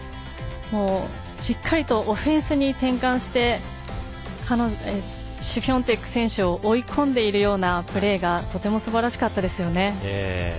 しっかりとオフェンスに転換してシフィオンテク選手を追い込んでいるようなプレーがとてもすばらしかったですよね。